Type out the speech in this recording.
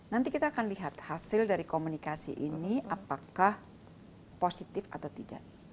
nanti kita akan lihat hasil dari komunikasi ini apakah positif atau tidak